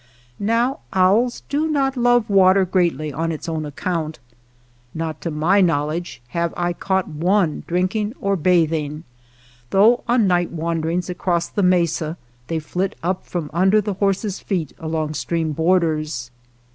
Now owls do not love water greatly on its own account. Not to my knowledge have I caught one drinking or bathing, though on night wanderings across the mesa they flit up from under the horse's feet along stream borders.